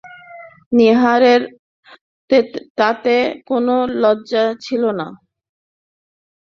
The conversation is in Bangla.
নীহারের তাতে কোনো লজ্জা ছিল না।